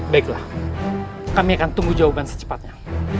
baiklah kami akan tunggu jawaban secepatnya